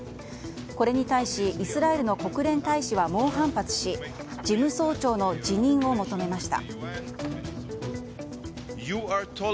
これに対しイスラエルの国連大使は猛反発し事務総長の辞任を求めました。